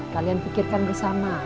kalian pikirkan bersama